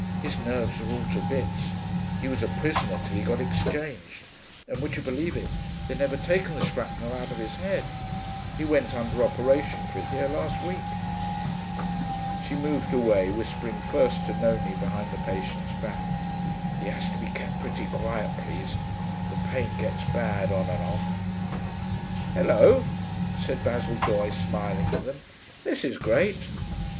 'His nerves are all to bits. He was a prisoner, till he got exchanged. And would you believe it, they'd never taken the shrapnel out of his head; he went under operation for it here last week.' She moved away, whispering first to Nonie behind the patient's back, 'He has to be kept pretty quiet, please; the pain gets bad on and off.' 'Hullo,' said Basil Doye, smiling at them. 'This is great.'